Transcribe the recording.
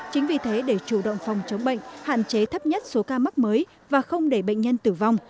chính vì thế để chủ động phòng chống bệnh hạn chế thấp nhất số ca mắc mới và không để bệnh nhân tử vong